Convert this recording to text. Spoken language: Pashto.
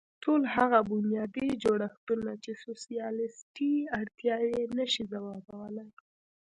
ټول هغه بنیادي جوړښتونه چې سوسیالېستي اړتیاوې نه شي ځوابولی.